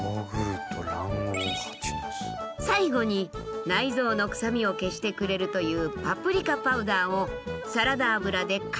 最後に内臓の臭みを消してくれるというパプリカパウダーをサラダ油で加熱。